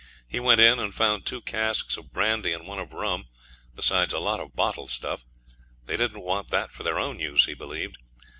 He went in and found two casks of brandy and one of rum, besides a lot of bottled stuff. They didn't want that for their own use, he believed.